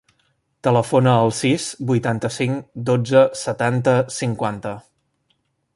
Telefona al sis, vuitanta-cinc, dotze, setanta, cinquanta.